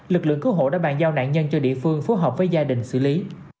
lực lượng cứu hộ đã bàn giao nạn nhân cho địa phương phối hợp với gia đình xử lý